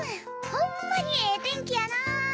ホンマにええてんきやな。